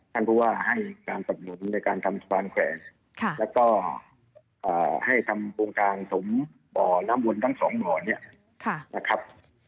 ท่านผู้ว่าให้การสับหนุนในการทำสะพานแขวนแล้วก็ให้ทำโครงการสมบ่อน้ำวนทั้งสองบ่อเนี่ยนะครับ